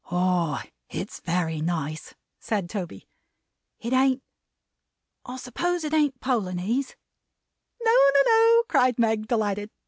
"Ah! It's very nice," said Toby. "It ain't I suppose it ain't Polonies?" "No, no, no!" cried Meg, delighted.